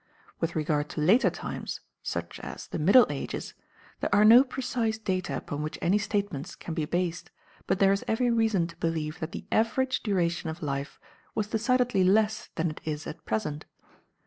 With regard to later times, such as the middle ages, there are no precise data upon which any statements can be based, but there is every reason to believe that the average duration of life was decidedly less than it is at present.